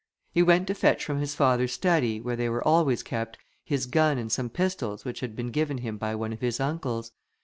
He went to fetch from his father's study, where they were always kept, his gun and some pistols which had been given him by one of his uncles.